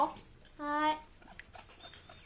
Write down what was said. はい。